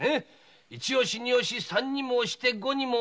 一押し二押し三にも押して五にも押す！